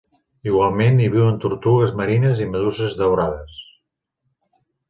Igualment hi viuen tortugues marines i meduses daurades.